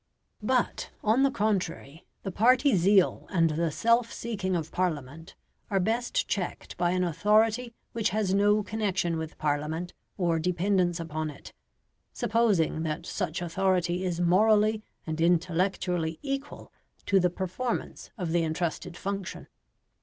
But, on the contrary, the party zeal and the self seeking of Parliament are best checked by an authority which has no connection with Parliament or dependence upon it supposing that such authority is morally and intellectually equal to the performance of the entrusted function.